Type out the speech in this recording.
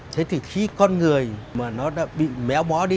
thế thì khi con người mà nó đã bị méo mó đi